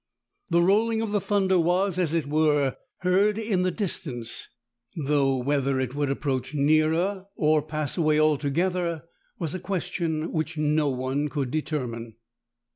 The rolling of the thunder was, as it were, heard in the distance, though whether it would approach nearer or pass away altogether, was a question which no one could determine.